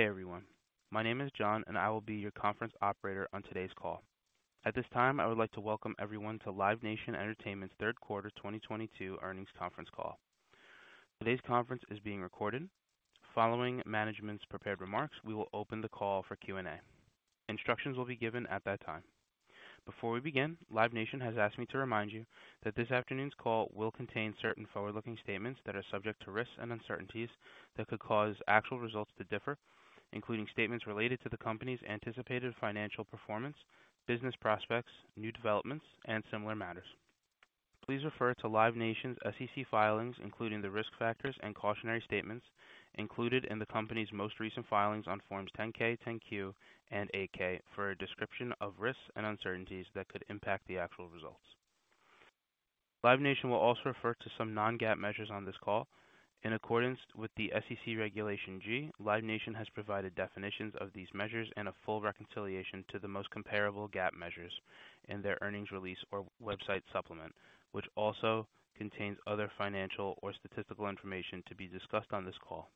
Everyone. My name is John, and I will be your conference operator on today's call. At this time, I would like to welcome everyone to Live Nation Entertainment's third quarter 2022 earnings conference call. Today's conference is being recorded. Following management's prepared remarks, we will open the call for Q&A. Instructions will be given at that time. Before we begin, Live Nation has asked me to remind you that this afternoon's call will contain certain forward-looking statements that are subject to risks and uncertainties that could cause actual results to differ, including statements related to the company's anticipated financial performance, business prospects, new developments, and similar matters. Please refer to Live Nation's SEC filings, including the risk factors and cautionary statements included in the company's most recent filings on Forms 10-K, 10-Q, and 8-K, for a description of risks and uncertainties that could impact the actual results. Live Nation will also refer to some non-GAAP measures on this call. In accordance with the SEC's Regulation G, Live Nation has provided definitions of these measures and a full reconciliation to the most comparable GAAP measures in their earnings release or website supplement, which also contains other financial or statistical information to be discussed on this call.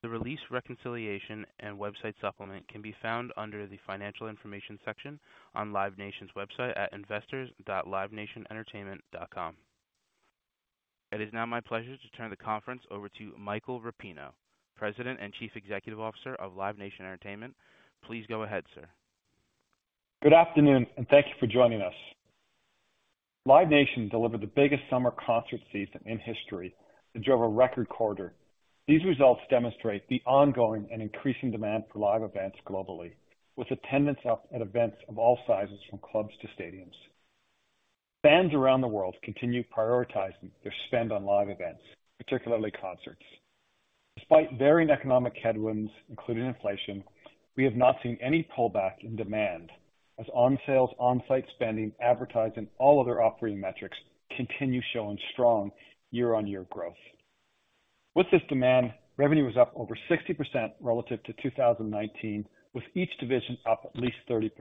The release, reconciliation, and website supplement can be found under the Financial Information section on Live Nation's website at investors.livenationentertainment.com. It is now my pleasure to turn the conference over to Michael Rapino, President and Chief Executive Officer of Live Nation Entertainment. Please go ahead, sir. Good afternoon, and thank you for joining us. Live Nation delivered the biggest summer concert season in history and drove a record quarter. These results demonstrate the ongoing and increasing demand for live events globally, with attendance up at events of all sizes, from clubs to stadiums. Fans around the world continue prioritizing their spend on live events, particularly concerts. Despite varying economic headwinds, including inflation, we have not seen any pullback in demand as on-sales, on-site spending, advertising, all other operating metrics continue showing strong year-on-year growth. With this demand, revenue was up over 60% relative to 2019, with each division up at least 30%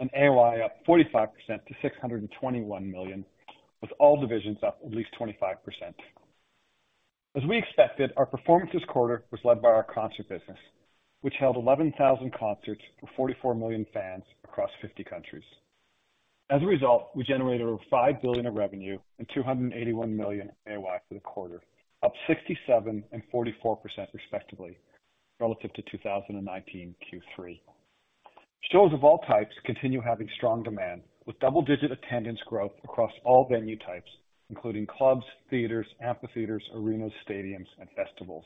and AOI up 45% to $621 million, with all divisions up at least 25%. As we expected, our performance this quarter was led by our concert business, which held 11,000 concerts for 44 million fans across 50 countries. As a result, we generated over $5 billion of revenue and $281 million AOI for the quarter, up 67% and 44% respectively relative to 2019 Q3. Shows of all types continue having strong demand, with double-digit attendance growth across all venue types, including clubs, theaters, amphitheaters, arenas, stadiums, and festivals.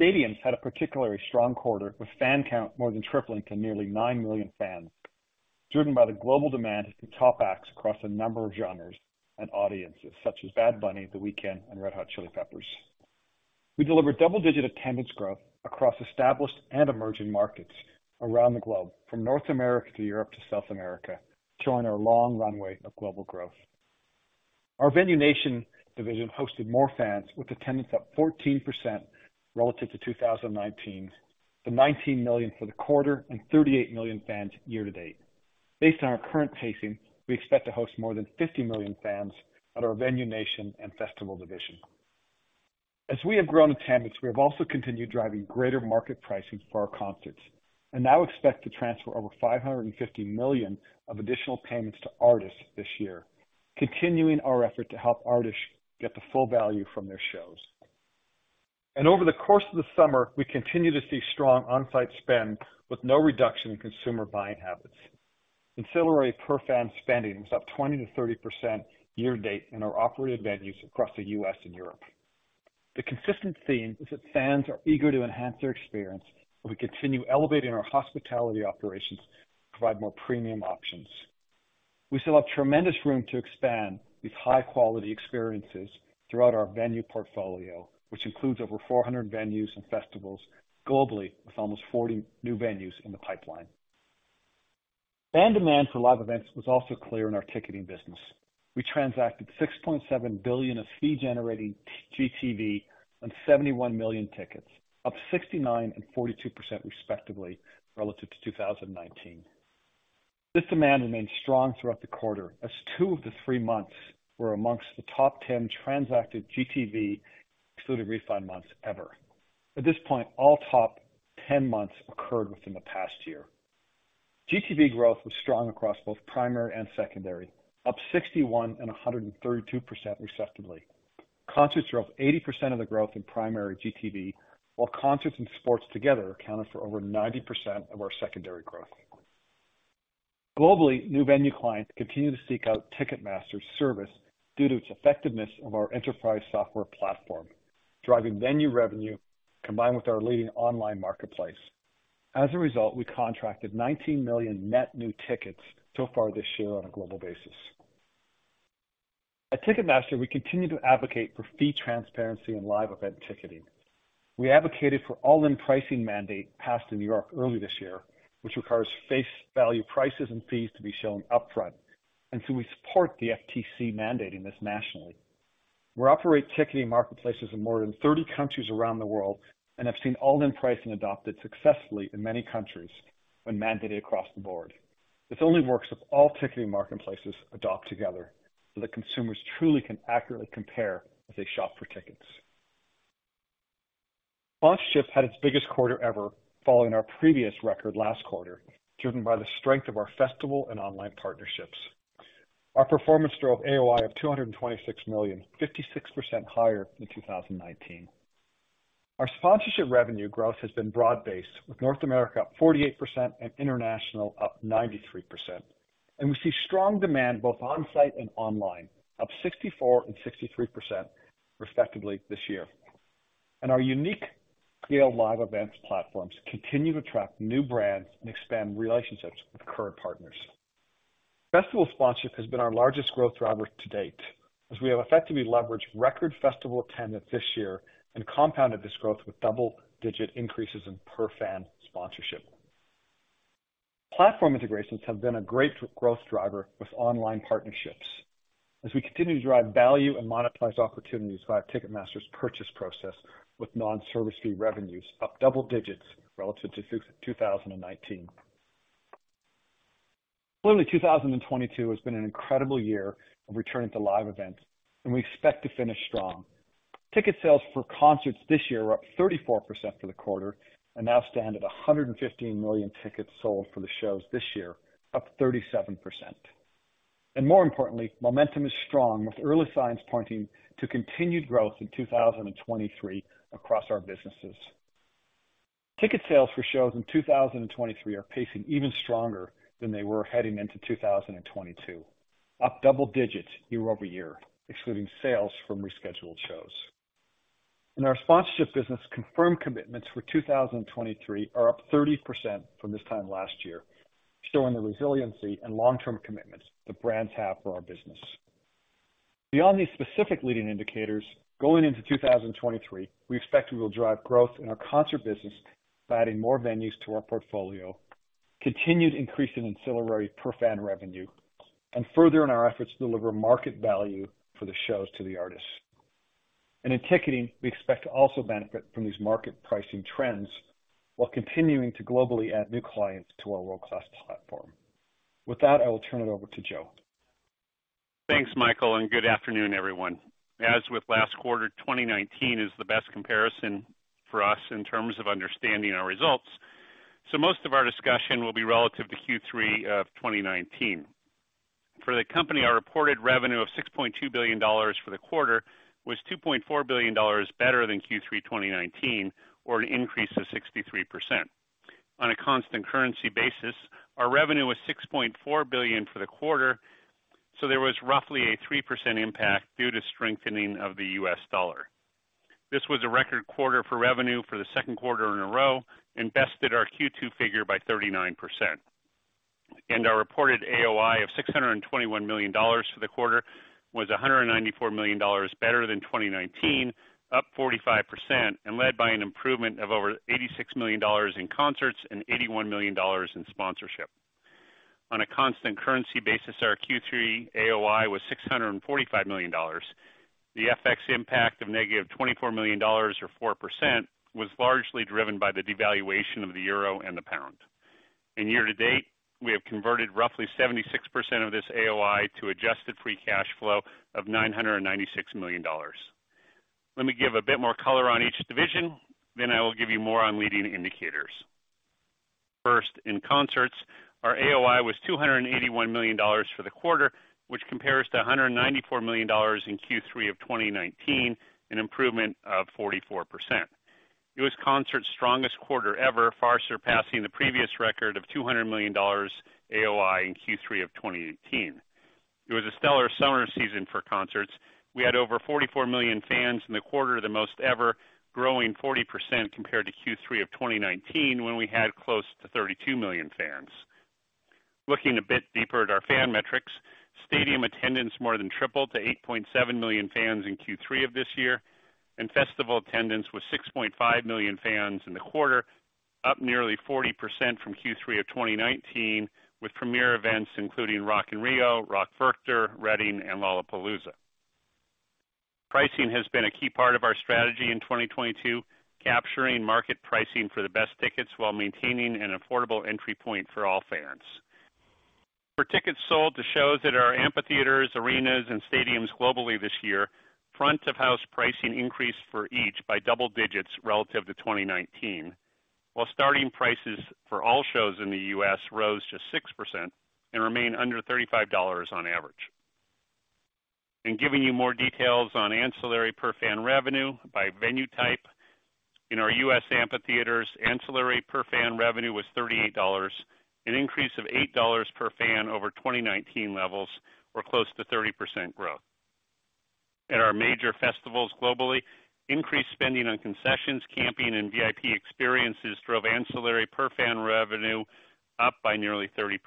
Stadiums had a particularly strong quarter, with fan count more than tripling to nearly 9 million fans, driven by the global demand for top acts across a number of genres and audiences such as Bad Bunny, The Weeknd, and Red Hot Chili Peppers. We delivered double-digit attendance growth across established and emerging markets around the globe, from North America to Europe to South America, showing our long runway of global growth. Our VenueNation division hosted more fans, with attendance up 14% relative to 2019 to 19 million for the quarter and 38 million fans year to date. Based on our current pacing, we expect to host more than 50 million fans at our VenueNation and Festival division. As we have grown attendance, we have also continued driving greater market pricing for our concerts and now expect to transfer over $550 million of additional payments to artists this year, continuing our effort to help artists get the full value from their shows. Over the course of the summer, we continue to see strong on-site spend with no reduction in consumer buying habits. Ancillary per fan spending was up 20%-30% year to date in our operated venues across the U.S. and Europe. The consistent theme is that fans are eager to enhance their experience, and we continue elevating our hospitality operations to provide more premium options. We still have tremendous room to expand these high-quality experiences throughout our venue portfolio, which includes over 400 venues and festivals globally, with almost 40 new venues in the pipeline. Fan demand for live events was also clear in our ticketing business. We transacted 6.7 billion of fee-generating GTV and 71 million tickets, up 69% and 42% respectively relative to 2019. This demand remained strong throughout the quarter as two of the three months were amongst the top 10 transacted GTV excluding refund months ever. At this point, all top 10 months occurred within the past year. GTV growth was strong across both primary and secondary, up 61% and 132% respectively. Concerts drove 80% of the growth in primary GTV, while concerts and sports together accounted for over 90% of our secondary growth. Globally, new venue clients continue to seek out Ticketmaster's service due to its effectiveness of our enterprise software platform, driving venue revenue combined with our leading online marketplace. As a result, we contracted 19 million net new tickets so far this year on a global basis. At Ticketmaster, we continue to advocate for fee transparency and live event ticketing. We advocated for all-in pricing mandate passed in New York early this year, which requires face value prices and fees to be shown upfront, and so we support the FTC mandating this nationally. We operate ticketing marketplaces in more than 30 countries around the world and have seen all-in pricing adopted successfully in many countries when mandated across the board. This only works if all ticketing marketplaces adopt together so that consumers truly can accurately compare as they shop for tickets. Sponsorship had its biggest quarter ever following our previous record last quarter, driven by the strength of our festival and online partnerships. Our performance drove AOI of $226 million, 56% higher than 2019. Our sponsorship revenue growth has been broad-based, with North America up 48% and international up 93%. We see strong demand both on-site and online, up 64% and 63% respectively this year. Our unique scale live events platforms continue to attract new brands and expand relationships with current partners. Festival sponsorship has been our largest growth driver to date as we have effectively leveraged record festival attendance this year and compounded this growth with double-digit increases in per fan sponsorship. Platform integrations have been a great growth driver with online partnerships as we continue to drive value and monetize opportunities via Ticketmaster's purchase process with non-service fee revenues up double digits relative to 2019. Clearly, 2022 has been an incredible year of returning to live events, and we expect to finish strong. Ticket sales for concerts this year are up 34% for the quarter and now stand at 115 million tickets sold for the shows this year, up 37%. More importantly, momentum is strong with early signs pointing to continued growth in 2023 across our businesses. Ticket sales for shows in 2023 are pacing even stronger than they were heading into 2022, up double digits year-over-year, excluding sales from rescheduled shows. In our sponsorship business, confirmed commitments for 2023 are up 30% from this time last year, showing the resiliency and long-term commitments that brands have for our business. Beyond these specific leading indicators, going into 2023, we expect we will drive growth in our concert business by adding more venues to our portfolio, continued increase in ancillary per fan revenue, and furthering our efforts to deliver market value for the shows to the artists. In ticketing, we expect to also benefit from these market pricing trends while continuing to globally add new clients to our world-class platform. With that, I will turn it over to Joe. Thanks, Michael, and good afternoon, everyone. As with last quarter, 2019 is the best comparison for us in terms of understanding our results. Most of our discussion will be relative to Q3 of 2019. For the company, our reported revenue of $6.2 billion for the quarter was $2.4 billion better than Q3 2019, or an increase of 63%. On a constant currency basis, our revenue was $6.4 billion for the quarter, so there was roughly a 3% impact due to strengthening of the US dollar. This was a record quarter for revenue for the second quarter in a row and bested our Q2 figure by 39%. Our reported AOI of $621 million for the quarter was $194 million better than 2019, up 45% and led by an improvement of over $86 million in concerts and $81 million in sponsorship. On a Constant Currency basis, our Q3 AOI was $645 million. The FX impact of -$24 million or 4% was largely driven by the devaluation of the euro and the pound. In year-to-date, we have converted roughly 76% of this AOI to Adjusted Free Cash Flow of $996 million. Let me give a bit more color on each division, then I will give you more on leading indicators. First, in Concerts, our AOI was $281 million for the quarter, which compares to $194 million in Q3 of 2019, an improvement of 44%. It was Concerts' strongest quarter ever, far surpassing the previous record of $200 million AOI in Q3 of 2018. It was a stellar summer season for Concerts. We had over 44 million fans in the quarter, the most ever, growing 40% compared to Q3 of 2019, when we had close to 32 million fans. Looking a bit deeper at our fan metrics, stadium attendance more than tripled to 8.7 million fans in Q3 of this year, and festival attendance was 6.5 million fans in the quarter, up nearly 40% from Q3 of 2019, with premier events including Rock in Rio, Rock Werchter, Reading, and Lollapalooza. Pricing has been a key part of our strategy in 2022, capturing market pricing for the best tickets while maintaining an affordable entry point for all fans. For tickets sold to shows at our amphitheaters, arenas, and stadiums globally this year, front of house pricing increased for each by double digits relative to 2019, while starting prices for all shows in the U.S. rose just 6% and remain under $35 on average. In giving you more details on ancillary per fan revenue by venue type. In our U.S. amphitheaters, ancillary per fan revenue was $38, an increase of $8 per fan over 2019 levels or close to 30% growth. At our major festivals globally, increased spending on concessions, camping, and VIP experiences drove ancillary per fan revenue up by nearly 30%.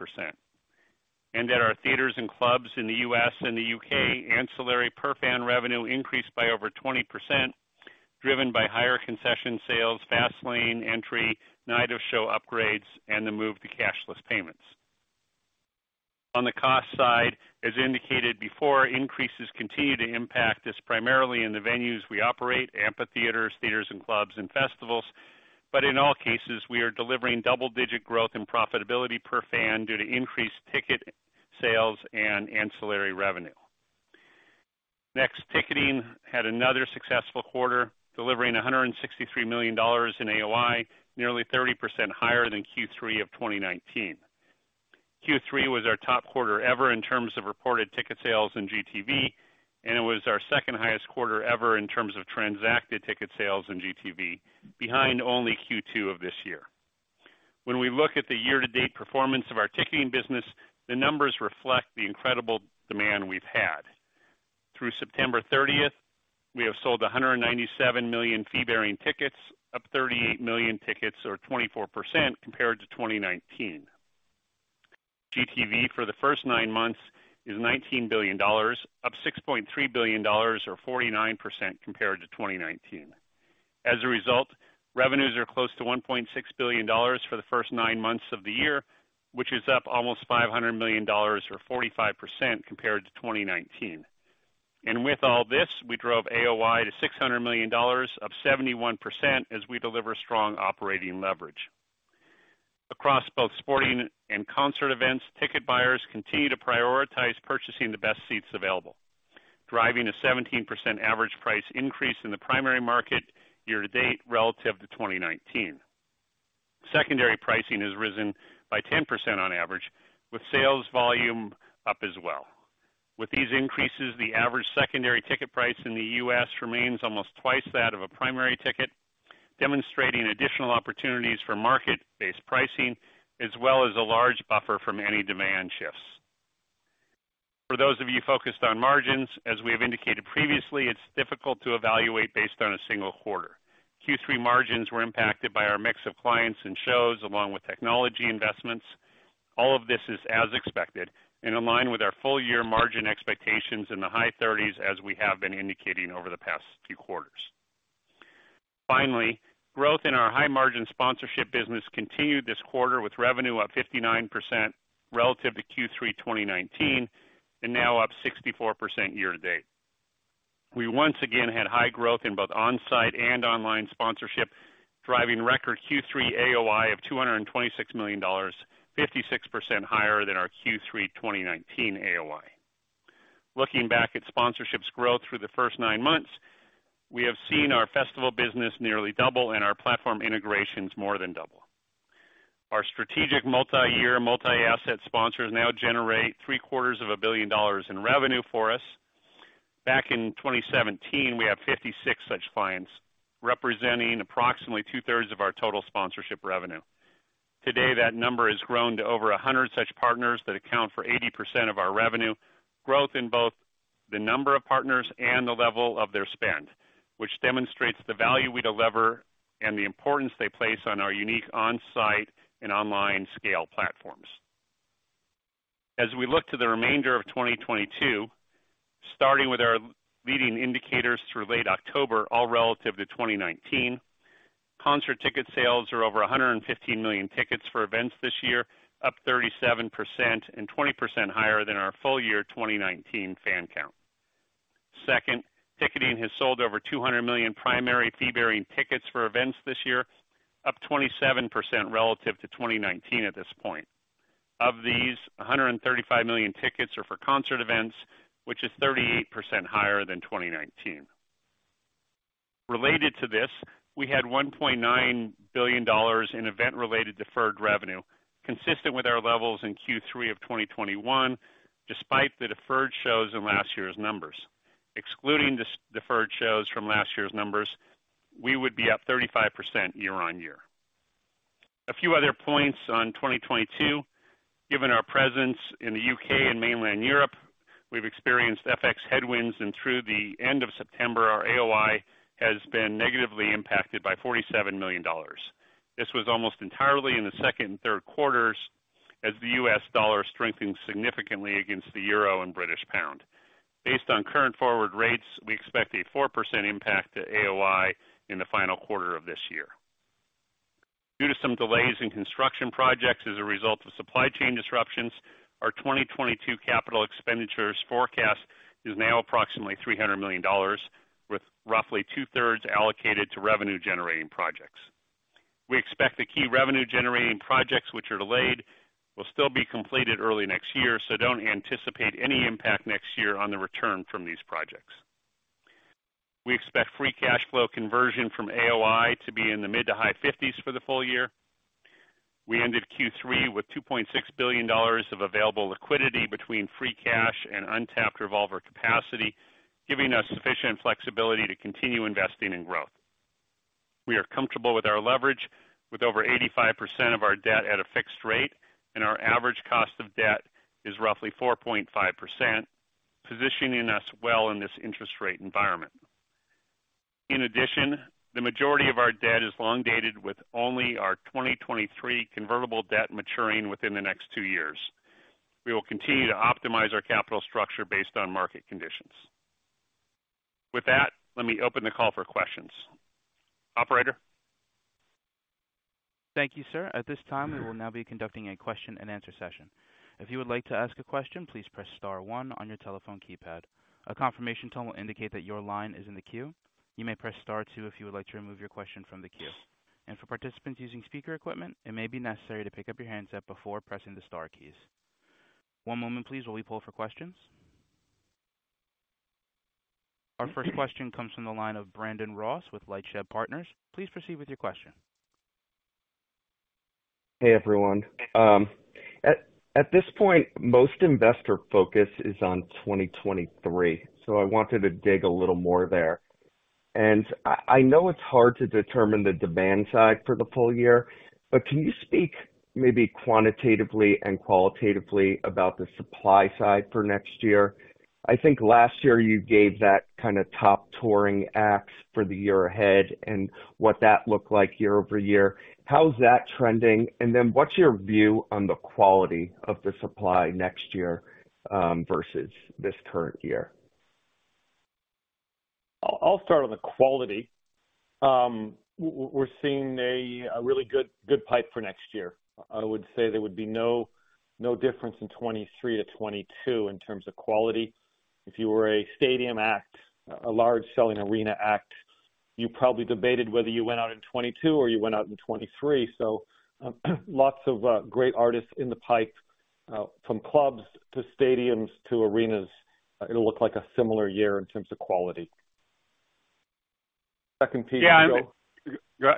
At our theaters and clubs in the U.S. and the U.K., ancillary per fan revenue increased by over 20%, driven by higher concession sales, fast lane entry, night of show upgrades, and the move to cashless payments. On the cost side, as indicated before, increases continue to impact us primarily in the venues we operate, amphitheaters, theaters and clubs and festivals. In all cases, we are delivering double-digit growth and profitability per fan due to increased ticket sales and ancillary revenue. Next, ticketing had another successful quarter, delivering $163 million in AOI, nearly 30% higher than Q3 of 2019. Q3 was our top quarter ever in terms of reported ticket sales and GTV, and it was our second-highest quarter ever in terms of transacted ticket sales and GTV, behind only Q2 of this year. When we look at the year-to-date performance of our ticketing business, the numbers reflect the incredible demand we've had. Through September 30th, we have sold 197 million fee-bearing tickets, up 38 million tickets or 24% compared to 2019. GTV for the first nine months is $19 billion, up $6.3 billion or 49% compared to 2019. As a result, revenues are close to $1.6 billion for the first nine months of the year, which is up almost $500 million or 45% compared to 2019. With all this, we drove AOI to $600 million, up 71% as we deliver strong operating leverage. Across both sporting and concert events, ticket buyers continue to prioritize purchasing the best seats available, driving a 17% average price increase in the primary market year to date relative to 2019. Secondary pricing has risen by 10% on average, with sales volume up as well. With these increases, the average secondary ticket price in the U.S. remains almost twice that of a primary ticket, demonstrating additional opportunities for market-based pricing, as well as a large buffer from any demand shifts. For those of you focused on margins, as we have indicated previously, it's difficult to evaluate based on a single quarter. Q3 margins were impacted by our mix of clients and shows, along with technology investments. All of this is as expected and aligned with our full-year margin expectations in the high 30s% as we have been indicating over the past few quarters. Finally, growth in our high-margin sponsorship business continued this quarter with revenue up 59% relative to Q3 2019 and now up 64% year to date. We once again had high growth in both on-site and online sponsorship, driving record Q3 AOI of $226 million, 56% higher than our Q3 2019 AOI. Looking back at sponsorship's growth through the first nine months, we have seen our festival business nearly double and our platform integrations more than double. Our strategic multi-year, multi-asset sponsors now generate three-quarters of a billion dollars in revenue for us. Back in 2017, we had 56 such clients, representing approximately 2/3 of our total sponsorship revenue. Today, that number has grown to over 100 such partners that account for 80% of our revenue, growth in both the number of partners and the level of their spend, which demonstrates the value we deliver and the importance they place on our unique on-site and online scale platforms. As we look to the remainder of 2022, starting with our leading indicators through late October, all relative to 2019, concert ticket sales are over 115 million tickets for events this year, up 37% and 20% higher than our full year 2019 fan count. Second, ticketing has sold over 200 million primary fee-bearing tickets for events this year, up 27% relative to 2019 at this point. Of these, 135 million tickets are for concert events, which is 38% higher than 2019. Related to this, we had $1.9 billion in event-related deferred revenue, consistent with our levels in Q3 of 2021, despite the deferred shows in last year's numbers. Excluding the deferred shows from last year's numbers, we would be up 35% year-on-year. A few other points on 2022. Given our presence in the U.K. and mainland Europe, we've experienced FX headwinds, and through the end of September, our AOI has been negatively impacted by $47 million. This was almost entirely in the second and third quarters as the US dollar strengthened significantly against the euro and British pound. Based on current forward rates, we expect a 4% impact to AOI in the final quarter of this year. Due to some delays in construction projects as a result of supply chain disruptions, our 2022 capital expenditures forecast is now approximately $300 million, with roughly two-thirds allocated to revenue-generating projects. We expect the key revenue-generating projects which are delayed will still be completed early next year, so don't anticipate any impact next year on the return from these projects. We expect free cash flow conversion from AOI to be in the mid- to high-50s for the full year. We ended Q3 with $2.6 billion of available liquidity between free cash and untapped revolver capacity, giving us sufficient flexibility to continue investing in growth. We are comfortable with our leverage with over 85% of our debt at a fixed rate, and our average cost of debt is roughly 4.5%, positioning us well in this interest rate environment. In addition, the majority of our debt is long dated, with only our 2023 convertible debt maturing within the next two years. We will continue to optimize our capital structure based on market conditions. With that, let me open the call for questions. Operator? Thank you, sir. At this time, we will now be conducting a question-and-answer session. If you would like to ask a question, please press star one on your telephone keypad. A confirmation tone will indicate that your line is in the queue. You may press star two if you would like to remove your question from the queue. For participants using speaker equipment, it may be necessary to pick up your handset before pressing the star keys. One moment please while we poll for questions. Our first question comes from the line of Brandon Ross with LightShed Partners. Please proceed with your question. Hey, everyone. At this point, most investor focus is on 2023, so I wanted to dig a little more there. I know it's hard to determine the demand side for the full year, but can you speak maybe quantitatively and qualitatively about the supply side for next year? I think last year you gave that kinda top touring act for the year ahead and what that looked like year-over-year. How's that trending? What's your view on the quality of the supply next year versus this current year? I'll start on the quality. We're seeing a really good pipe for next year. I would say there would be no difference in 2023 to 2022 in terms of quality. If you were a stadium act, a large selling arena act, you probably debated whether you went out in 2022 or you went out in 2023. Lots of great artists in the pipe from clubs to stadiums to arenas. It'll look like a similar year in terms of quality. Second piece, Joe.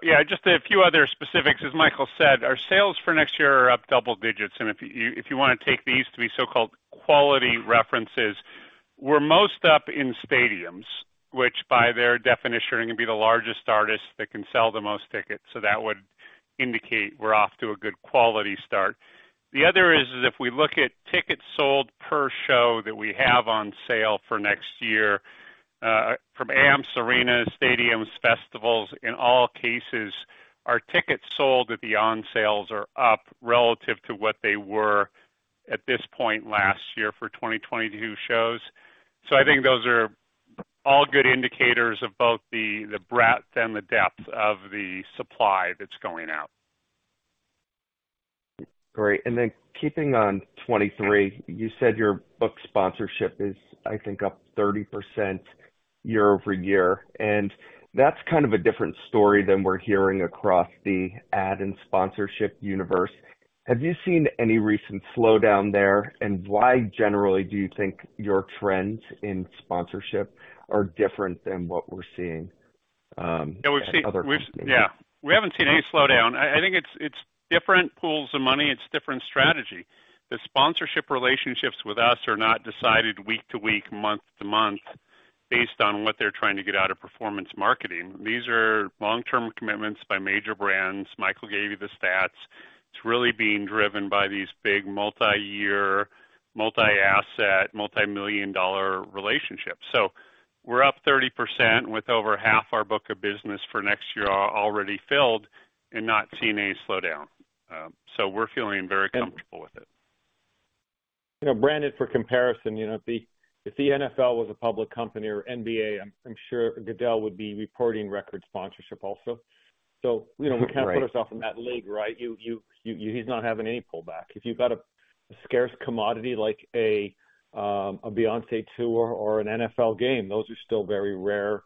Yeah, just a few other specifics. As Michael said, our sales for next year are up double digits. If you wanna take these to be so-called quality references, we're most up in stadiums, which by their definition are gonna be the largest artists that can sell the most tickets. That would indicate we're off to a good quality start. The other is if we look at tickets sold per show that we have on sale for next year, from amphitheaters, arenas, stadiums, festivals, in all cases, our tickets sold at the on sales are up relative to what they were at this point last year for 2022 shows. I think those are all good indicators of both the breadth and the depth of the supply that's going out. Great. Keeping on 23, you said your book sponsorship is, I think, up 30% year-over-year, and that's kind of a different story than we're hearing across the ad and sponsorship universe. Have you seen any recent slowdown there? Why generally do you think your trends in sponsorship are different than what we're seeing at other companies? No, yeah, we haven't seen any slowdown. I think it's different pools of money, it's different strategy. The sponsorship relationships with us are not decided week to week, month to month based on what they're trying to get out of performance marketing. These are long-term commitments by major brands. Michael gave you the stats. It's really being driven by these big multi-year, multi-asset, multi-million dollar relationships. We're up 30% with over half our book of business for next year already filled and not seeing any slowdown. We're feeling very comfortable with it. You know, Brandon, for comparison, you know, if the NFL was a public company or NBA, I'm sure Goodell would be reporting record sponsorship also. You know, we can't put ourself in that league, right? You. He's not having any pullback. If you've got a scarce commodity like a Beyoncé tour or an NFL game, those are still very rare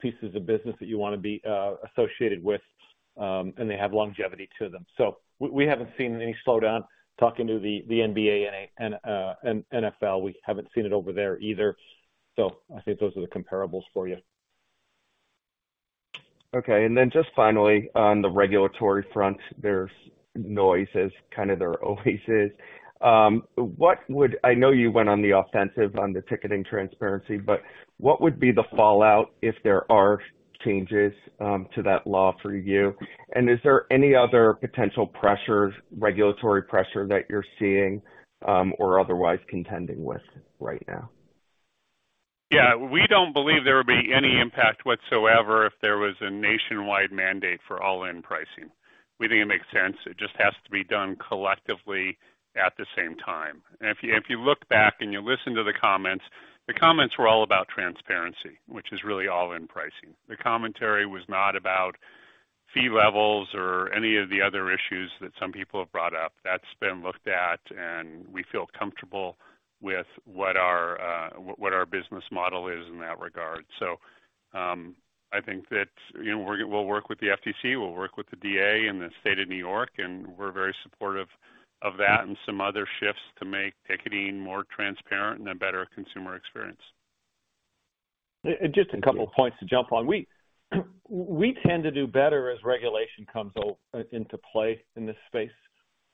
pieces of business that you wanna be associated with. They have longevity to them. We haven't seen any slowdown. Talking to the NBA and NFL, we haven't seen it over there either. I think those are the comparables for you. Okay. Just finally, on the regulatory front, there's noises, kind of there always is. I know you went on the offensive on the ticketing transparency, but what would be the fallout if there are changes to that law for you? Is there any other potential pressures, regulatory pressure that you're seeing, or otherwise contending with right now? Yeah. We don't believe there would be any impact whatsoever if there was a nationwide mandate for all-in pricing. We think it makes sense. It just has to be done collectively at the same time. If you look back and you listen to the comments, the comments were all about transparency, which is really all-in pricing. The commentary was not about fee levels or any of the other issues that some people have brought up. That's been looked at, and we feel comfortable with what our business model is in that regard. I think that, you know, we'll work with the FTC, we'll work with the AG in the state of New York, and we're very supportive of that and some other shifts to make ticketing more transparent and a better consumer experience. Just a couple of points to jump on. We tend to do better as regulation comes into play in this space.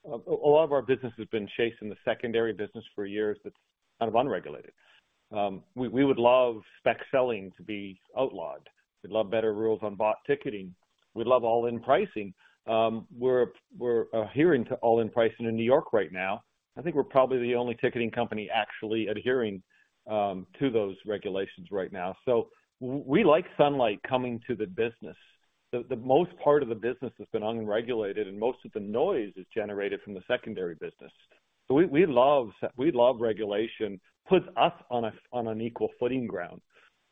A lot of our business has been chasing the secondary business for years that's kind of unregulated. We would love spec selling to be outlawed. We'd love better rules on bot ticketing. We'd love all-in pricing. We're adhering to all-in pricing in New York right now. I think we're probably the only ticketing company actually adhering to those regulations right now. We like sunlight coming to the business. The most part of the business has been unregulated, and most of the noise is generated from the secondary business. We love regulation, puts us on an equal footing ground.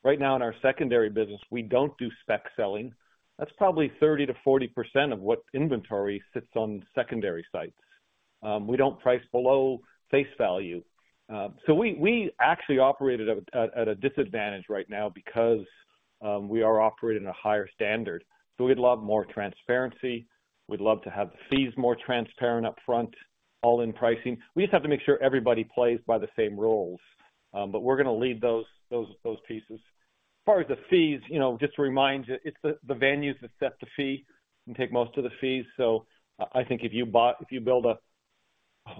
Right now in our secondary business, we don't do spec selling. That's probably 30%-40% of what inventory sits on secondary sites. We don't price below face value. We actually operate at a disadvantage right now because we are operating at a higher standard. We'd love more transparency. We'd love to have the fees more transparent upfront, all-in pricing. We just have to make sure everybody plays by the same rules, but we're gonna lead those pieces. As far as the fees, just to remind you, it's the venues that set the fee and take most of the fees. I think if you build a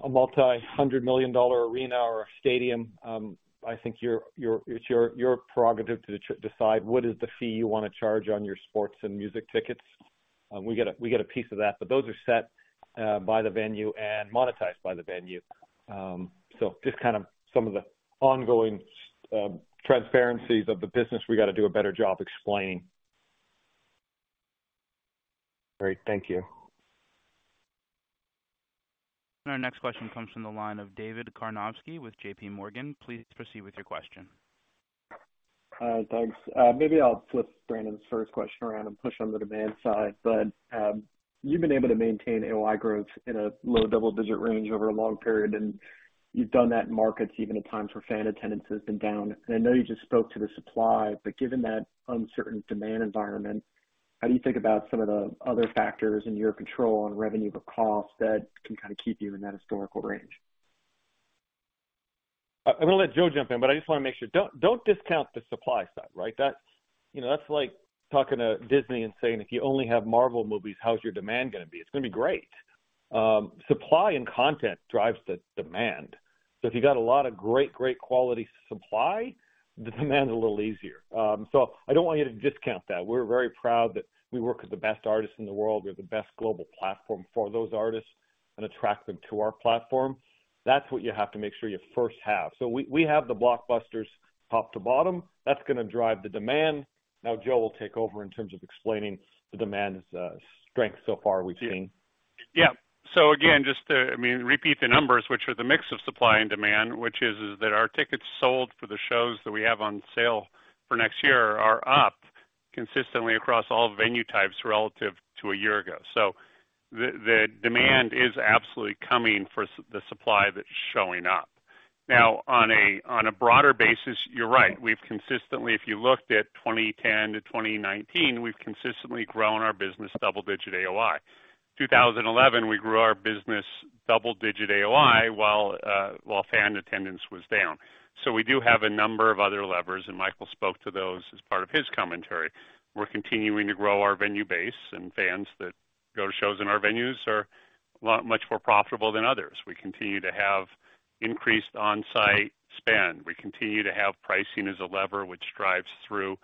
multi-hundred-million-dollar arena or a stadium, I think it's your prerogative to decide what is the fee you wanna charge on your sports and music tickets. We get a piece of that, but those are set by the venue and monetized by the venue. Just kind of some of the ongoing transparencies of the business we gotta do a better job explaining. Great. Thank you. Our next question comes from the line of David Karnovsky with JPMorgan. Please proceed with your question. Thanks. Maybe I'll flip Brandon's first question around and push on the demand side. You've been able to maintain AOI growth in a low double digit range over a long period, and you've done that in markets even at times where fan attendance has been down. I know you just spoke to the supply, but given that uncertain demand environment, how do you think about some of the other factors in your control on revenue but costs that can kinda keep you in that historical range? I'm gonna let Joe jump in, but I just wanna make sure. Don't discount the supply side, right? That's, you know, like talking to Disney and saying, "If you only have Marvel movies, how is your demand gonna be?" It's gonna be great. Supply and content drives the demand. If you got a lot of great quality supply, the demand's a little easier. I don't want you to discount that. We're very proud that we work with the best artists in the world. We have the best global platform for those artists and attract them to our platform. That's what you have to make sure you first have. We have the blockbusters top to bottom. That's gonna drive the demand. Now, Joe will take over in terms of explaining the demand's strength so far we've seen. Yeah. Again, I mean, repeat the numbers, which are the mix of supply and demand, which is that our tickets sold for the shows that we have on sale for next year are up consistently across all venue types relative to a year ago. The demand is absolutely coming for the supply that's showing up. Now, on a broader basis, you're right. We've consistently, if you looked at 2010-2019, we've consistently grown our business double-digit AOI. 2011, we grew our business double-digit AOI while fan attendance was down. We do have a number of other levers, and Michael spoke to those as part of his commentary. We're continuing to grow our venue base and fans that go to shows in our venues are a lot much more profitable than others. We continue to have increased on-site spend. We continue to have pricing as a lever, which drives through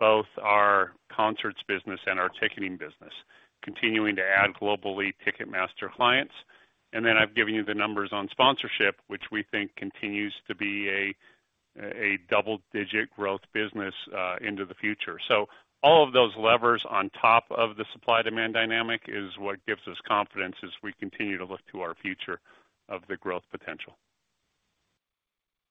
both our concerts business and our ticketing business, continuing to add globally Ticketmaster clients. I've given you the numbers on sponsorship, which we think continues to be a double-digit growth business into the future. All of those levers on top of the supply-demand dynamic is what gives us confidence as we continue to look to our future of the growth potential.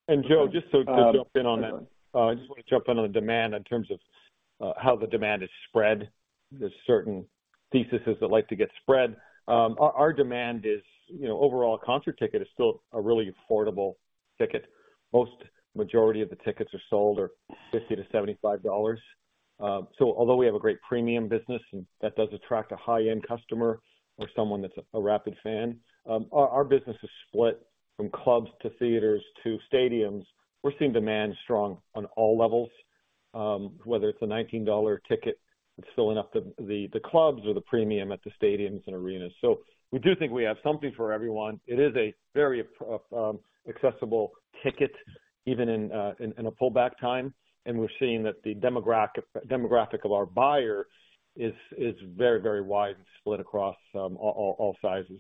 Joe, just to jump in on that. I just wanna jump in on the demand in terms of how the demand is spread. There's certain theses that like to get spread. Our demand is, you know, overall concert ticket is still a really affordable ticket. Vast majority of the tickets sold are $50-$75. So although we have a great premium business, and that does attract a high-end customer or someone that's a rabid fan, our business is split from clubs to theaters to stadiums. We're seeing strong demand on all levels, whether it's a $19 ticket that's filling up the clubs or the premium at the stadiums and arenas. We do think we have something for everyone. It is a very accessible ticket, even in a pullback time, and we're seeing that the demographic of our buyer is very wide and split across all sizes.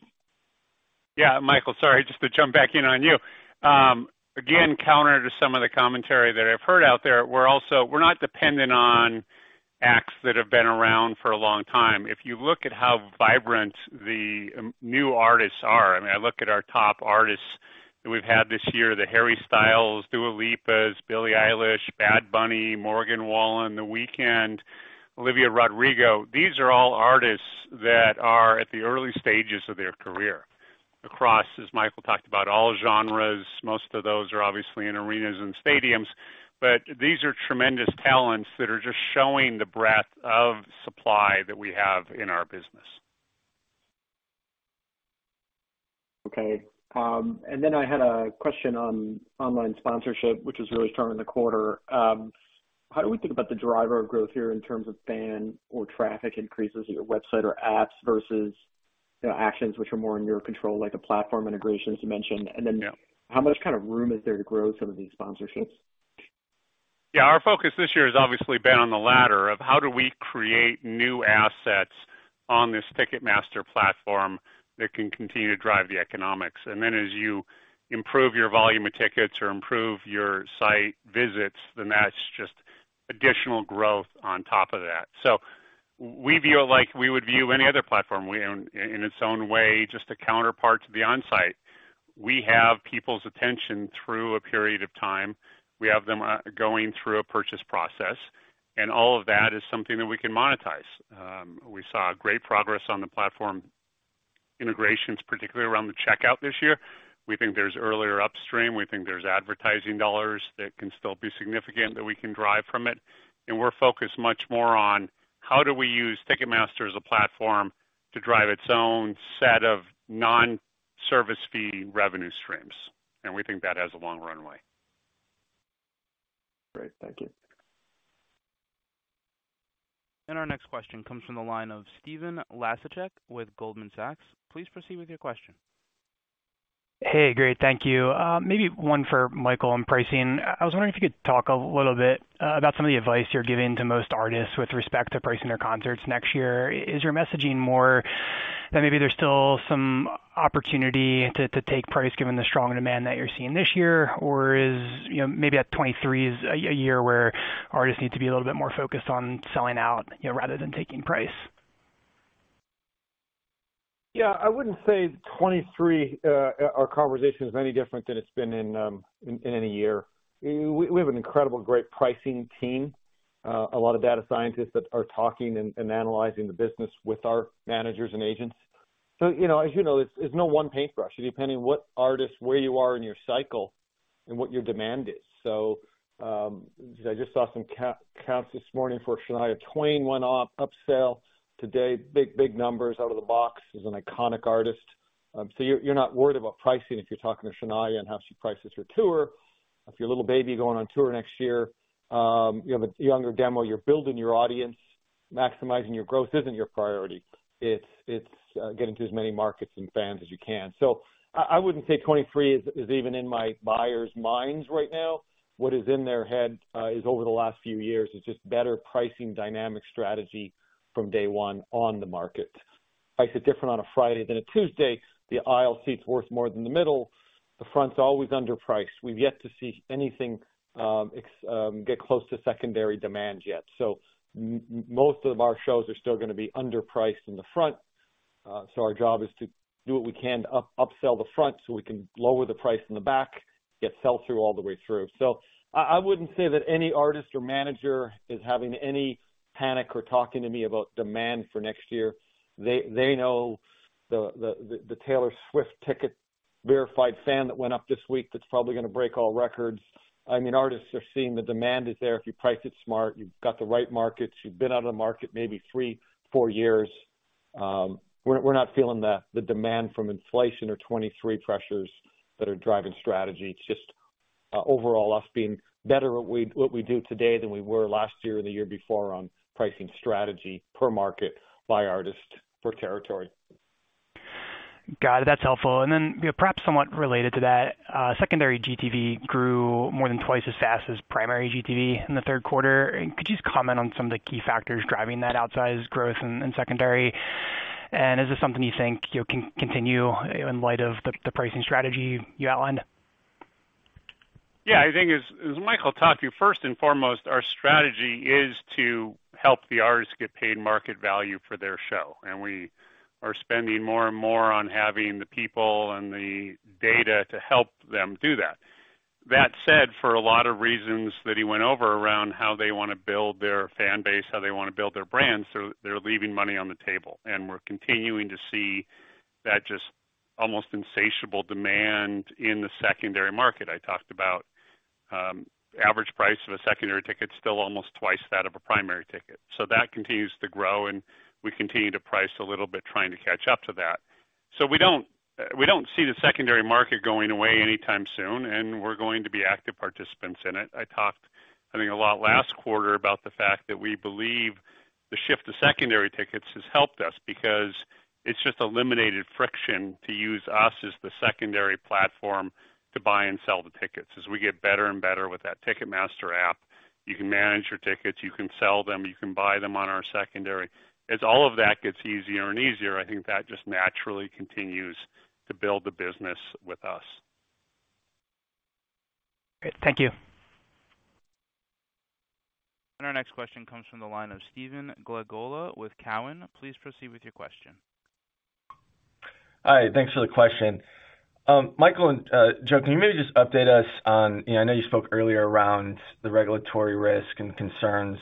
Yeah. Michael, sorry, just to jump back in on you. Again, counter to some of the commentary that I've heard out there, we're not dependent on acts that have been around for a long time. If you look at how vibrant the new artists are, I mean, I look at our top artists that we've had this year, the Harry Styles, Dua Lipa, Billie Eilish, Bad Bunny, Morgan Wallen, The Weeknd, Olivia Rodrigo. These are all artists that are at the early stages of their career across, as Michael talked about, all genres. Most of those are obviously in arenas and stadiums, but these are tremendous talents that are just showing the breadth of supply that we have in our business. I had a question on online sponsorship, which was really strong in the quarter. How do we think about the driver of growth here in terms of fan or traffic increases to your website or apps versus, you know, actions which are more in your control, like the platform integrations you mentioned? Yeah. How much kind of room is there to grow some of these sponsorships? Yeah. Our focus this year has obviously been on the latter of how do we create new assets on this Ticketmaster platform that can continue to drive the economics. As you improve your volume of tickets or improve your site visits, then that's just additional growth on top of that. We view it like we would view any other platform. We own, in its own way, just a counterpart to the on-site. We have people's attention through a period of time. We have them going through a purchase process, and all of that is something that we can monetize. We saw great progress on the platform integrations, particularly around the checkout this year. We think there's earlier upstream. We think there's advertising dollars that can still be significant that we can drive from it. We're focused much more on how do we use Ticketmaster as a platform to drive its own set of non-service fee revenue streams. We think that has a long runway. Great. Thank you. Our next question comes from the line of Stephen Laszczyk with Goldman Sachs. Please proceed with your question. Hey, great. Thank you. Maybe one for Michael on pricing. I was wondering if you could talk a little bit about some of the advice you're giving to most artists with respect to pricing their concerts next year. Is your messaging more that maybe there's still some opportunity to take price given the strong demand that you're seeing this year? Or is, you know, maybe 2023 is a year where artists need to be a little bit more focused on selling out, you know, rather than taking price. Yeah, I wouldn't say 23, our conversation is any different than it's been in any year. We have an incredible great pricing team, a lot of data scientists that are talking and analyzing the business with our managers and agents. You know, as you know, it's no one paintbrush, depending on what artist, where you are in your cycle and what your demand is. I just saw some counts this morning for Shania Twain went on sale today. Big numbers out of the box. She's an iconic artist. You're not worried about pricing if you're talking to Shania and how she prices her tour. If you're a Lil Baby going on tour next year, you have a younger demo, you're building your audience, maximizing your growth isn't your priority. It's getting to as many markets and fans as you can. I wouldn't say 2023 is even in my buyers' minds right now. What is in their head is over the last few years, it's just better pricing dynamic strategy from day one on the market. Price is different on a Friday than a Tuesday. The aisle seat's worth more than the middle. The front's always underpriced. We've yet to see anything get close to secondary demand yet. Most of our shows are still gonna be underpriced in the front. Our job is to do what we can to upsell the front so we can lower the price in the back, get sell-through all the way through. I wouldn't say that any artist or manager is having any panic or talking to me about demand for next year. They know the Taylor Swift ticket Verified Fan that went up this week, that's probably gonna break all records. I mean, artists are seeing the demand is there. If you price it smart, you've got the right markets, you've been out of the market maybe three or four years. We're not feeling the demand from inflation or 2023 pressures that are driving strategy. It's just overall us being better at what we do today than we were last year or the year before on pricing strategy per market by artist for territory. Got it. That's helpful. Perhaps somewhat related to that, secondary GTV grew more than twice as fast as primary GTV in the third quarter. Could you just comment on some of the key factors driving that outsized growth in secondary? Is this something you think, you know, can continue in light of the pricing strategy you outlined? Yeah. I think as Michael talked to you, first and foremost, our strategy is to help the artist get paid market value for their show. We are spending more and more on having the people and the data to help them do that. That said, for a lot of reasons that he went over around how they wanna build their fan base, how they wanna build their brands, so they're leaving money on the table. We're continuing to see that just almost insatiable demand in the secondary market. I talked about average price of a secondary ticket is still almost twice that of a primary ticket. That continues to grow, and we continue to price a little bit trying to catch up to that. We don't see the secondary market going away anytime soon, and we're going to be active participants in it. I talked, I think, a lot last quarter about the fact that we believe the shift to secondary tickets has helped us because it's just eliminated friction to use us as the secondary platform to buy and sell the tickets. As we get better and better with that Ticketmaster app, you can manage your tickets, you can sell them, you can buy them on our secondary. As all of that gets easier and easier, I think that just naturally continues to build the business with us. Great. Thank you. Our next question comes from the line of Stephen Glagola with Cowen. Please proceed with your question. Hi, thanks for the question. Michael and Joe, can you maybe just update us on, you know, I know you spoke earlier around the regulatory risk and concerns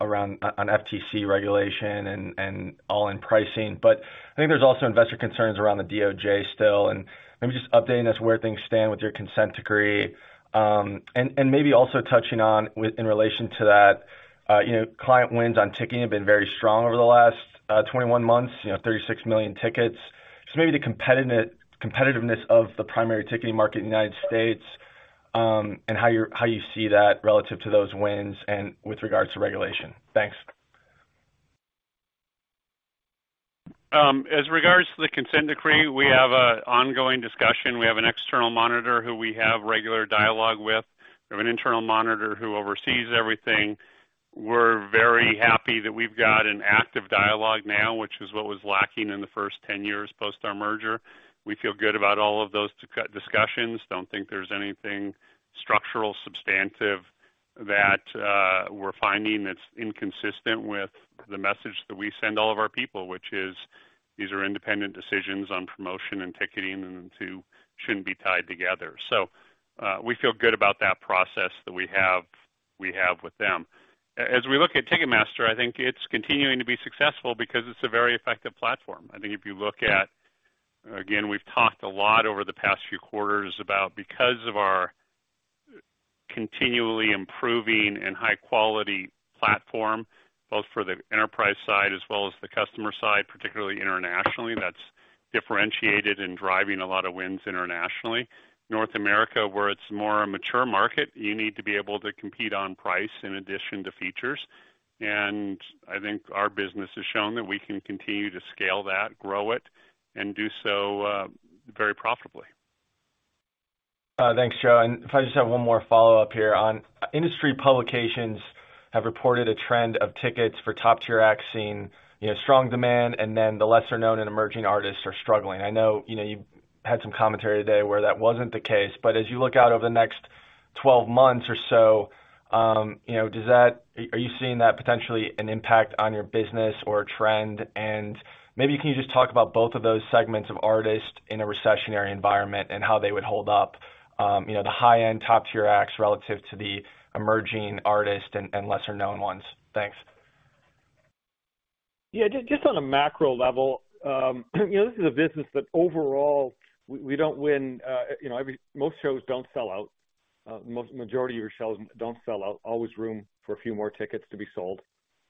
around on FTC regulation and all-in pricing, but I think there's also investor concerns around the DOJ still. Maybe just updating us where things stand with your consent decree, and maybe also touching on with, in relation to that, you know, client wins on ticketing have been very strong over the last 21 months, you know, 36 million tickets. Maybe the competitiveness of the primary ticketing market in the United States, and how you see that relative to those wins and with regards to regulation. Thanks. As regards to the consent decree, we have an ongoing discussion. We have an external monitor who we have regular dialogue with. We have an internal monitor who oversees everything. We're very happy that we've got an active dialogue now, which is what was lacking in the first 10 years post our merger. We feel good about all of those discussions. Don't think there's anything structural, substantive that we're finding that's inconsistent with the message that we send all of our people, which is these are independent decisions on promotion and ticketing, and the two shouldn't be tied together. We feel good about that process that we have with them. As we look at Ticketmaster, I think it's continuing to be successful because it's a very effective platform. I think if you look at, again, we've talked a lot over the past few quarters about because of our continually improving and high quality platform, both for the enterprise side as well as the customer side, particularly internationally. That's differentiated and driving a lot of wins internationally. North America, where it's more a mature market, you need to be able to compete on price in addition to features. I think our business has shown that we can continue to scale that, grow it, and do so very profitably. Thanks, Joe. If I just have one more follow-up here on industry publications have reported a trend of tickets for top tier acts seeing, you know, strong demand and then the lesser-known and emerging artists are struggling. I know, you know, you've had some commentary today where that wasn't the case. As you look out over the next 12 months or so, you know, are you seeing that potentially an impact on your business or a trend? Maybe can you just talk about both of those segments of artists in a recessionary environment and how they would hold up, you know, the high-end top tier acts relative to the emerging artists and lesser-known ones? Thanks. Yeah. Just on a macro level, you know, this is a business that overall we don't win. Most shows don't sell out. Majority of your shows don't sell out. Always room for a few more tickets to be sold.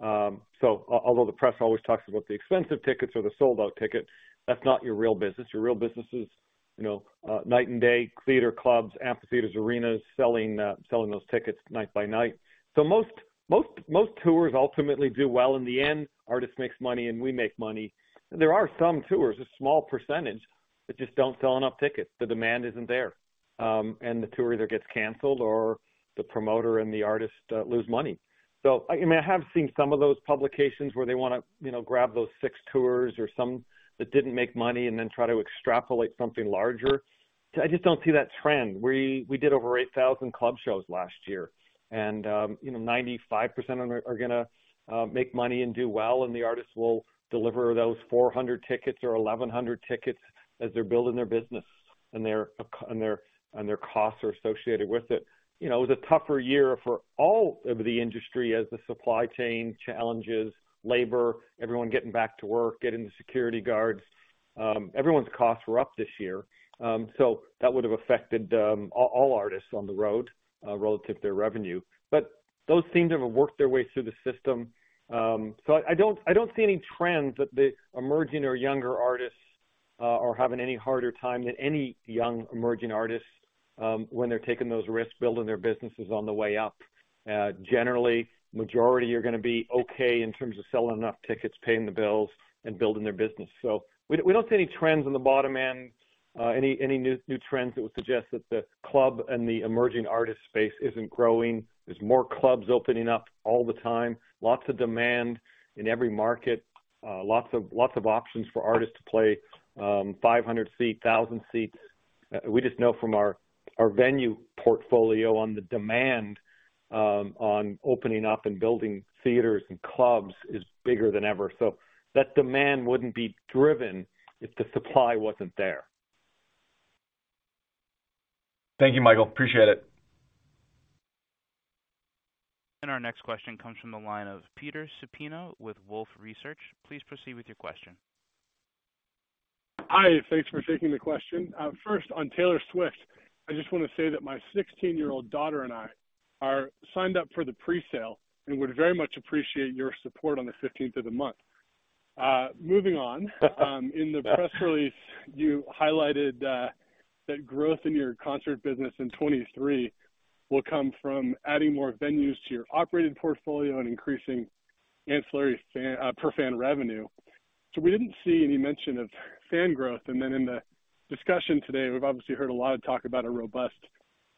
Although the press always talks about the expensive tickets or the sold-out tickets, that's not your real business. Your real business is, you know, night and day, theater, clubs, amphitheaters, arenas, selling those tickets night by night. Most tours ultimately do well in the end. Artist makes money and we make money. There are some tours, a small percentage, that just don't sell enough tickets. The demand isn't there. The tour either gets canceled or the promoter and the artist lose money. I mean, I have seen some of those publications where they wanna, you know, grab those six tours or some that didn't make money and then try to extrapolate something larger. I just don't see that trend. We did over 8,000 club shows last year, and you know, 95% are gonna make money and do well, and the artists will deliver those 400 tickets or 1,100 tickets as they're building their business and their costs are associated with it. You know, it was a tougher year for all of the industry as the supply chain challenges, labor, everyone getting back to work, getting the security guards. Everyone's costs were up this year, so that would've affected all artists on the road relative to their revenue. Those seem to have worked their way through the system. I don't see any trends that the emerging or younger artists are having any harder time than any young emerging artist, when they're taking those risks, building their businesses on the way up. Generally, majority are gonna be okay in terms of selling enough tickets, paying the bills and building their business. We don't see any trends on the bottom end, any new trends that would suggest that the club and the emerging artist space isn't growing. There's more clubs opening up all the time, lots of demand in every market, lots of options for artists to play, 500-seat, 1,000-seat. We just know from our venue portfolio on the demand on opening up and building theaters and clubs is bigger than ever. That demand wouldn't be driven if the supply wasn't there. Thank you, Michael. Appreciate it. Our next question comes from the line of Peter Supino with Wolfe Research. Please proceed with your question. Hi. Thanks for taking the question. First on Taylor Swift, I just wanna say that my 16-year-old daughter and I are signed up for the pre-sale and would very much appreciate your support on the 15th of the month. Moving on. In the press release, you highlighted that growth in your concert business in 2023 will come from adding more venues to your operated portfolio and increasing ancillary per fan revenue. We didn't see any mention of fan growth. Then in the discussion today, we've obviously heard a lot of talk about a robust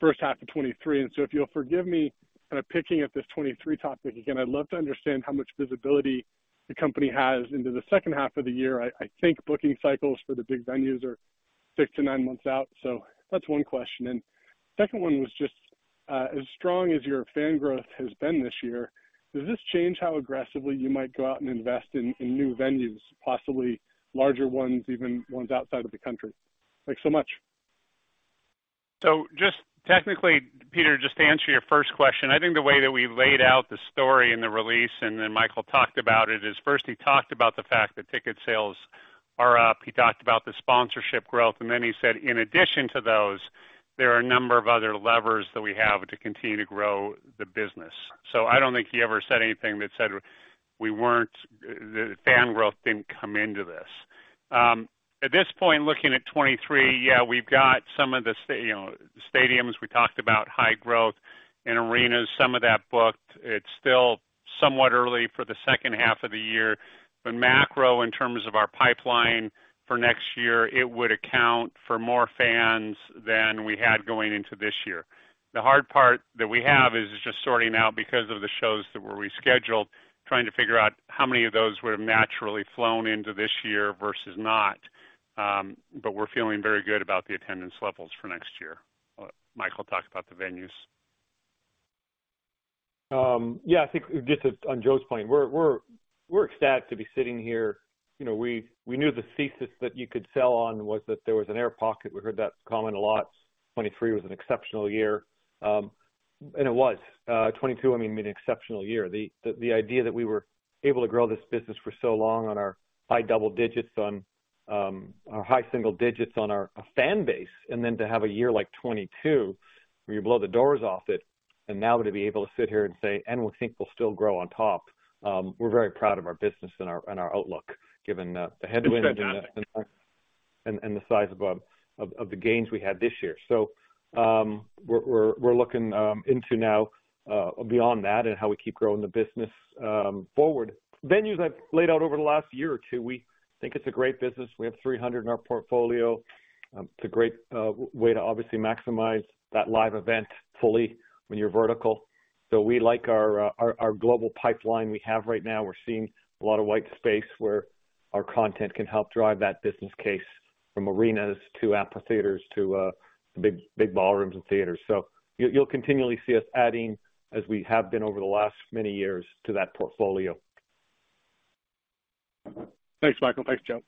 first half of 2023. If you'll forgive me kinda picking at this 2023 topic again, I'd love to understand how much visibility the company has into the second half of the year. I think booking cycles for the big venues are six to nine months out. That's one question. Second one was just, as strong as your fan growth has been this year, does this change how aggressively you might go out and invest in new venues, possibly larger ones, even ones outside of the country? Thanks so much. Just technically, Peter Supino, just to answer your first question, I think the way that we laid out the story in the release, and then Michael Rapino talked about it, is first he talked about the fact that ticket sales are up. He talked about the sponsorship growth, and then he said, in addition to those, there are a number of other levers that we have to continue to grow the business. I don't think he ever said anything that said the fan growth didn't come into this. At this point, looking at 2023, yeah, we've got some of the, you know, stadiums we talked about high growth and arenas, some of that booked. It's still somewhat early for the second half of the year, but macro, in terms of our pipeline for next year, it would account for more fans than we had going into this year. The hard part that we have is just sorting out because of the shows that were rescheduled, trying to figure out how many of those would have naturally flown into this year versus not. We're feeling very good about the attendance levels for next year. Michael talked about the venues. Yeah, I think just on Joe's point, we're ecstatic to be sitting here. You know, we knew the thesis that you could sell on was that there was an air pocket. We heard that comment a lot. 2023 was an exceptional year, and it was. 2022, I mean, an exceptional year. The idea that we were able to grow this business for so long on our high double digits on our high single digits on our fan base, and then to have a year like 2022, where you blow the doors off it, and now to be able to sit here and say, and we think we'll still grow on top. We're very proud of our business and our outlook, given the headwinds. It's fantastic. the size of the gains we had this year. We're looking into now beyond that and how we keep growing the business forward. Venues I've laid out over the last year or two. We think it's a great business. We have 300 in our portfolio. It's a great way to obviously maximize that live event fully when you're vertical. We like our global pipeline we have right now. We're seeing a lot of white space where our content can help drive that business case from arenas to amphitheaters to big ballrooms and theaters. You'll continually see us adding as we have been over the last many years to that portfolio. Thanks, Michael. Thanks, Joe.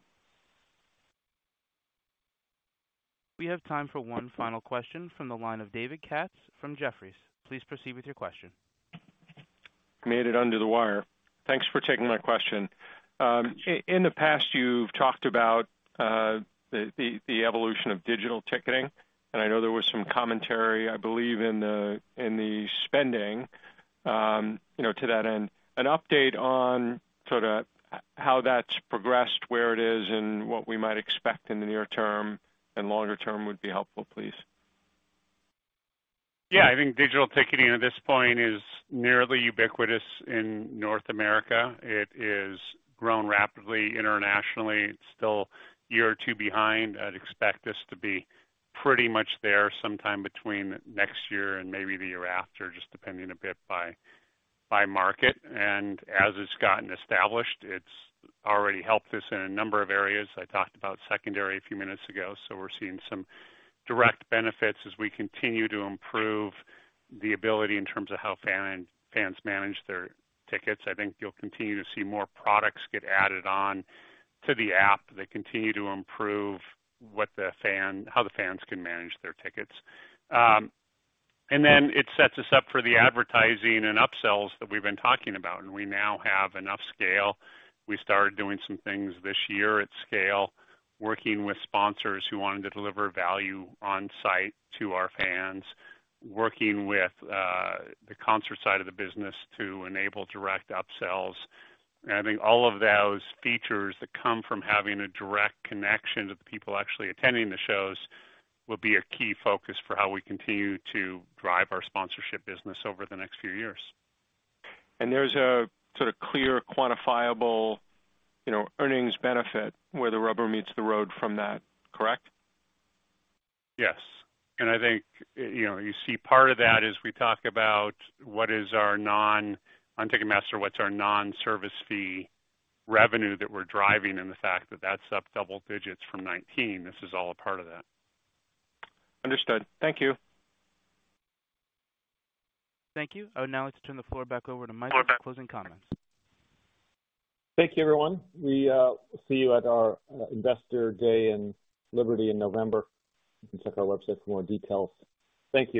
We have time for one final question from the line of David Katz from Jefferies. Please proceed with your question. Made it under the wire. Thanks for taking my question. In the past, you've talked about the evolution of digital ticketing, and I know there was some commentary, I believe, in the spending, you know, to that end. An update on sort of how that's progressed, where it is, and what we might expect in the near term and longer term would be helpful, please. Yeah. I think digital ticketing at this point is nearly ubiquitous in North America. It is grown rapidly internationally. It's still a year or two behind. I'd expect this to be pretty much there sometime between next year and maybe the year after, just depending a bit by market. As it's gotten established, it's already helped us in a number of areas. I talked about secondary a few minutes ago, so we're seeing some direct benefits as we continue to improve the ability in terms of how fans manage their tickets. I think you'll continue to see more products get added on to the app that continue to improve how the fans can manage their tickets. Then it sets us up for the advertising and upsells that we've been talking about. We now have enough scale. We started doing some things this year at scale, working with sponsors who wanted to deliver value on-site to our fans, working with the concert side of the business to enable direct upsells. I think all of those features that come from having a direct connection to the people actually attending the shows will be a key focus for how we continue to drive our sponsorship business over the next few years. There's a sort of clear quantifiable, you know, earnings benefit where the rubber meets the road from that, correct? Yes. I think, you know, you see part of that as we talk about what's our non-service fee revenue that we're driving, and the fact that that's up double digits from 2019. This is all a part of that. Understood. Thank you. Thank you. I would now like to turn the floor back over to Michael for closing comments. Thank you, everyone. We see you at our Investor Day in Liberty in November. You can check our website for more details. Thank you.